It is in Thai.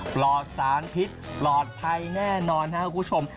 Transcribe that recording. ปลอดสารพิษปลอดภัยแน่นอนครับคุณผู้ชม